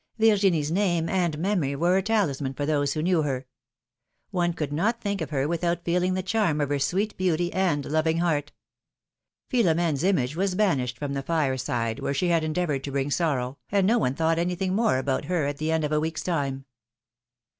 Virginie's name and memory were a talisman for those who knew her. One could not think of her without feeling the charm of her sweet beauty and loving heart. 322 philomj^ne's marriages. Philom^ne's image was banished from the fireside where she had endeavored to bring sorrow, and no one thought anything more about her at the end of a week's time.